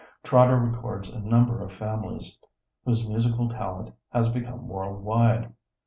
" Trotter records a number of families whose musical talent has become world wide.